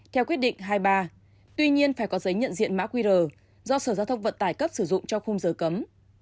theo quyết định hai mươi ba tuy nhiên phải có giấy nhận diện mã qr do sở giao thông vận tải cấp sử dụng cho không giới cấm